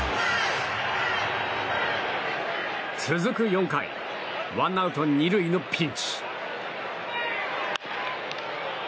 続く４回ワンアウト２塁のピンチ。